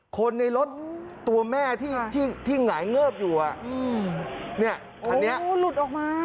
คนในรถตัวแม่ที่ที่ที่หงายเงิบอยู่อ่ะอืมเนี้ยอ๋อหลุดออกมา